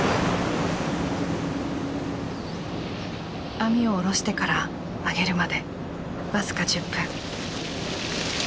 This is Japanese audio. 網を下ろしてから上げるまで僅か１０分。